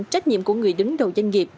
trách nhiệm của người đứng đầu doanh nghiệp